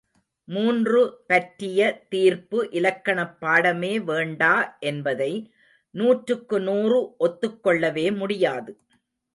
மூன்று பற்றிய தீர்ப்பு இலக்கணப் பாடமே வேண்டா என்பதை நூற்றுக்கு நூறு ஒத்துக்கொள்ளவே முடியாது.